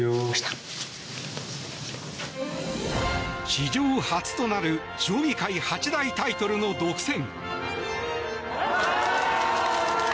史上初となる将棋界八大タイトルの独占。